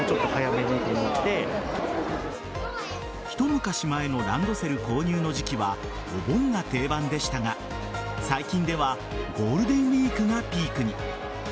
一昔前のランドセル購入の時期はお盆が定番でしたが最近ではゴールデンウイークがピークに。